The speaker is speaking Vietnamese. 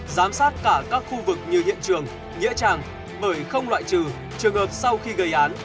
giám sát cả các khu vực như hiện trường nghĩa trang bởi không loại trừ trường hợp sau khi gây án